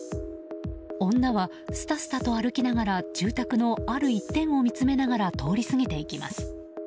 女は、すたすたと歩きながら住宅のある一点を見つめながら通り過ぎていきます。